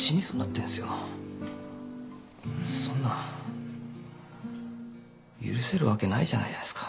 そんな許せるわけないじゃないですか。